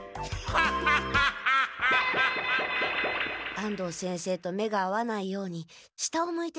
安藤先生と目が合わないように下を向いて食べよう。